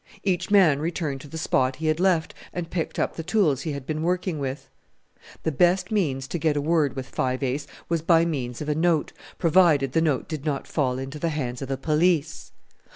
Each man returned to the spot he had left and picked up the tools he had been working with. The best means to get a word with Five Ace was by means of a note, provided the note did not fall into the hands of the police!